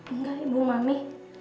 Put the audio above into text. enggak ibu mami